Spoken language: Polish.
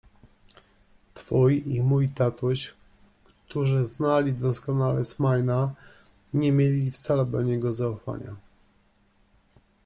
Twój i mój tatuś, którzy znali doskonale Smaina, nie mieli wcale do niego zaufania.